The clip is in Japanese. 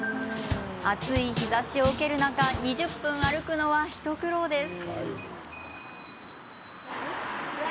暑い日ざしを受ける中２０分歩くのは一苦労です。